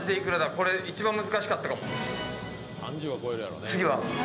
これ一番難しかったかも次は？